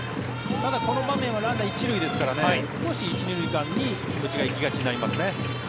ただこの場面はランナー１塁ですからね少し１・２塁間に気持ちが行きがちになりますね。